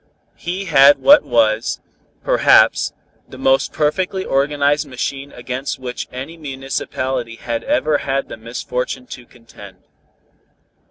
He had what was, perhaps, the most perfectly organized machine against which any municipality had ever had the misfortune to contend.